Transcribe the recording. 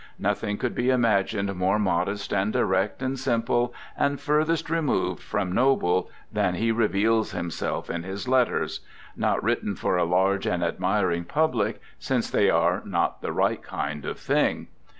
Nothing could be imagined more modest and direct and sim ple and furthest removed from "noble" than he reveals himself in his letters — "not written for a large and admiring public, since they are not the right kind of thing."